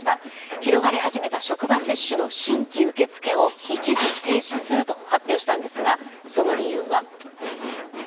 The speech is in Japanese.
広がり始めた職場接種の新規受付を一時停止すると発表したんですがその理由は。